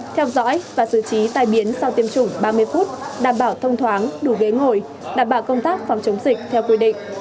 theo dõi và xử trí tai biến sau tiêm chủng ba mươi phút đảm bảo thông thoáng đủ ghế ngồi đảm bảo công tác phòng chống dịch theo quy định